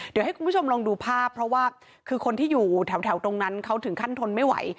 เดี๋ยวให้คุณผู้ชมลองดูภาพเพราะว่าคือคนที่อยู่แถวตรงนั้นเขาถึงขั้นทนไม่ไหว